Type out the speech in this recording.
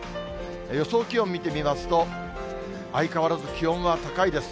予想気温見てみますと、相変わらず気温は高いです。